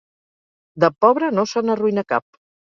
De pobre, no se n'arruïna cap.